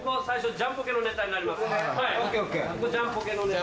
ジャンポケのネタになります。